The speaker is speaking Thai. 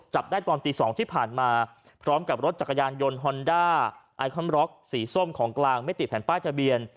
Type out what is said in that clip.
จับได้ตอนตี๒ที่ผ่านมาพร้อมกับรถจักรยานยนต์ฮอนด้าไอคอมร็อกสีส้มของกลางไม่ติดแผ่นป้ายทะเบียน